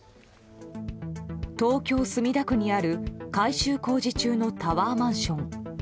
東京・墨田区にある改修工事中のタワーマンション。